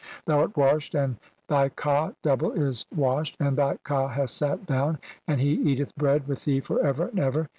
Thou "art washed and (67) and thy ka (double) is wash "ed ; and thy ka hath sat down, and he eateth bread "with thee for ever and ever.